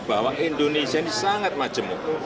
bahwa indonesia ini sangat majemuk